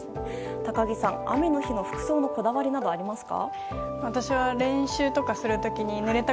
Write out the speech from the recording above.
高木さん、雨の日の服装のこだわりなどありますか？